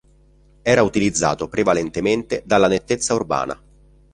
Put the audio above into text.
Era utilizzato prevalentemente dalla Nettezza Urbana.